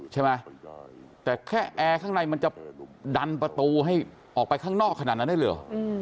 ใช่ไหมแต่แค่แอร์ข้างในมันจะดันประตูให้ออกไปข้างนอกขนาดนั้นได้เหรอ